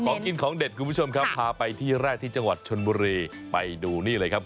ของกินของเด็ดคุณผู้ชมครับพาไปที่แรกที่จังหวัดชนบุรีไปดูนี่เลยครับ